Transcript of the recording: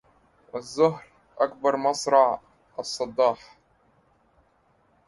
الزهر أكبر مصرع الصداح